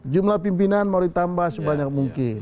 jumlah pimpinan mau ditambah sebanyak mungkin